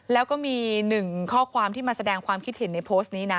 แล้วก็มีหนึ่งข้อความที่มาแสดงความคิดเห็นในโพสต์นี้นะ